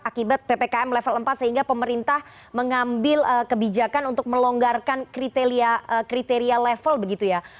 akibat ppkm level empat sehingga pemerintah mengambil kebijakan untuk melonggarkan kriteria level begitu ya